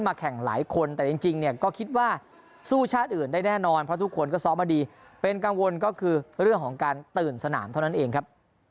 อย่างน้อย๓ตรงครับเพราะว่า๓คนคือเป็นเหมือนชุดเก่าครับ